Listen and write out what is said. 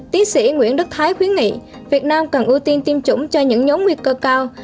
tiến sĩ nguyễn đức thái khuyến nghị việt nam cần ưu tiên tiêm chủng cho những nhóm nguy cơ cao